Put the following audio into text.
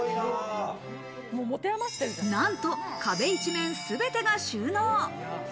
なんと壁一面すべてが収納。